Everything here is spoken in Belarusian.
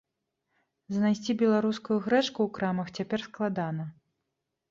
Знайсці беларускую грэчку ў крамах цяпер складана.